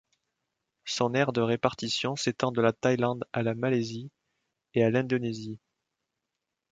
Son aire de répartition s'étend de la Thaïlande à la Malaisie et à l'Indonésie.